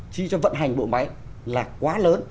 chi cho vận hành bộ máy là quá lớn